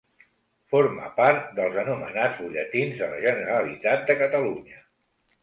Forma part dels anomenats Butlletins de la Generalitat de Catalunya.